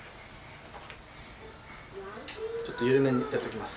ちょっと緩めにやっときます。